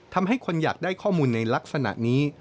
ทำให้คนอยากได้ข้อมูลในลักษณะนี้